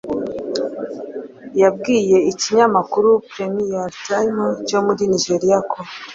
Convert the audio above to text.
yabwiye ikinyamakuru Premium Times cyo muri Nigeria ko "